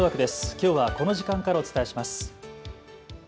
きょうはこの時間からお伝えします。